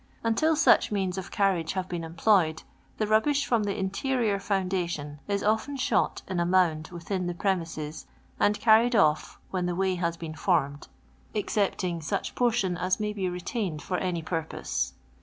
! Until such means of carriage have been employed, I the rubbish from the interior foundation is often I shot in a mound within the premises, and carried ' off when the way has been formed, excepting such \ portion as may be retained for any purpose.